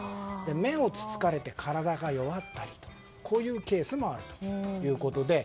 目をつつかれて体が弱ったりというこういうケースもあるということで。